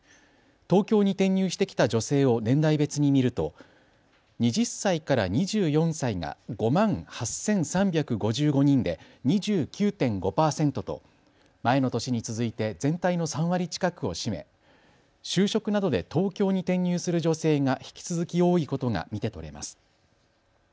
東京に転入してきた女性を年代別に見ると２０歳から２４歳が５万８３５５人で２９．５％と前の年に続いて全体の３割近くを占め就職などで東京に転入する女性が引き続き多いことが見て取れます。